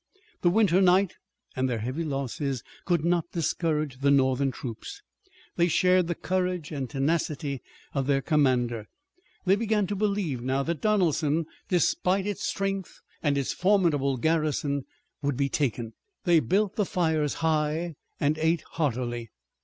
The winter night and their heavy losses could not discourage the Northern troops. They shared the courage and tenacity of their commander. They began to believe now that Donelson, despite its strength and its formidable garrison, would be taken. They built the fires high, and ate heartily.